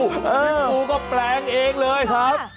ครูก็แปลงเองเลยครับ